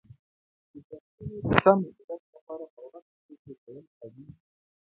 د فصلونو د سم مدیریت لپاره پر وخت پرېکړې کول اړین دي.